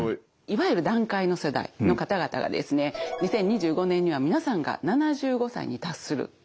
いわゆる団塊の世代の方々がですね２０２５年には皆さんが７５歳に達するという年を迎えます。